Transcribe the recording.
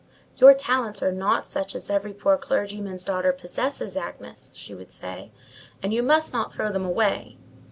"Your talents are not such as every poor clergyman's daughter possesses, Agnes," she would say, "and you must not throw them away.